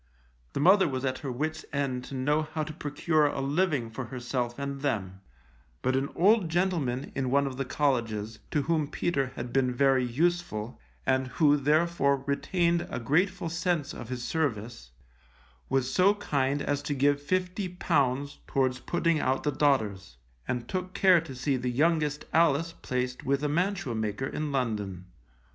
The mother was at her wits' end to know how to procure a living for herself and them, but an old gentleman in one of the colleges, to whom Peter had been very useful, and who therefore retained a grateful sense of his service, was so kind as to give fifty pounds towards putting out the daughters, and took care to see the youngest Alice placed with a mantua maker in London.